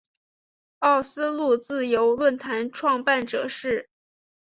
奥斯陆自由论坛创办者是。